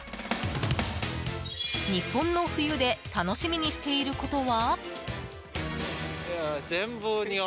日本の冬で楽しみにしていることは？